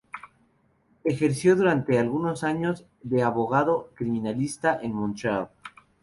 Ejerció durante algunos años de abogado criminalista en Montreal.